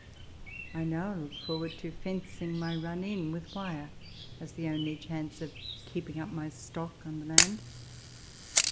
I now look forward to fencing my run in Avith wire, as the only chance of keeping up my stock on the land.